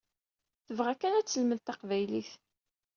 Tebɣa kan ad telmed taqbaylit.